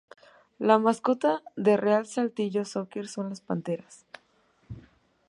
La mascota del Real Saltillo Soccer son las panteras.